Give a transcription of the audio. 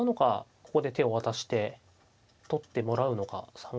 ここで手を渡して取ってもらうのか３五の角を。